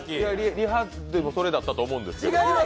リハでもこれだったと思うんです。